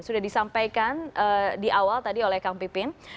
sudah disampaikan di awal tadi oleh kang pipin